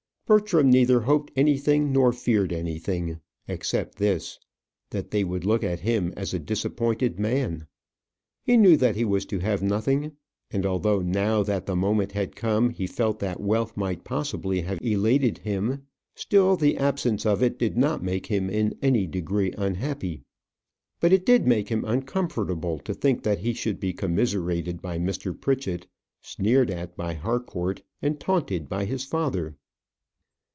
Bertram neither hoped anything, nor feared anything, except this that they would look at him as a disappointed man. He knew that he was to have nothing; and although, now that the moment had come, he felt that wealth might possibly have elated him, still the absence of it did not make him in any degree unhappy. But it did make him uncomfortable to think that he should be commiserated by Mr. Pritchett, sneered at by Harcourt, and taunted by his father.